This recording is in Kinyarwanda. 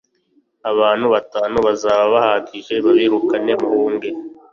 abantu batanu bazaba bahagije, babirukane muhunge,